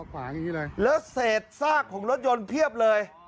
และเสร็จซากของรถยนต์เพียบเลย